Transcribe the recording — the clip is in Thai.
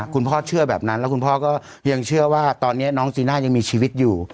คุณพ่อเชื่อแบบนั้นก็ยังเชื่อว่าตอนนี้น้องจีนาอียังมีชีวิตอยู่